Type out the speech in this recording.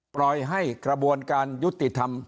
ปล่อยให้กระบวนการยุติธรรม